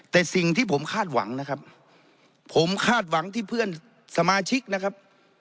แต่สิ่งที่ผมคาดหวังนะครับผมคาดหวังที่เพื่อนสมาชิกนะครับ